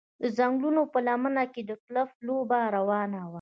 د ځنګلونو په لمنه کې ګلف لوبه روانه وه